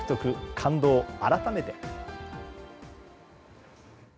感動、改めて。